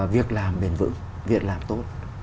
việc làm bền vững việc làm tốt